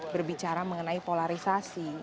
berbicara mengenai polarisasi